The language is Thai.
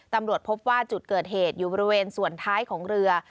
ตำรวจพบว่าจุดเกิดเหตุอยู่บริเวณส่วนท้ายของเรือ